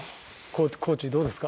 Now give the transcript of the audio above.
コーチどうですか？